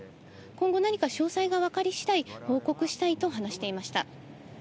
今後何か詳細が分かりしだい、報告したいと話していました。